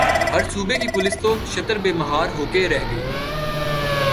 ہر صوبے کی پولیس تو شتر بے مہار ہو کے رہ گئی ہے۔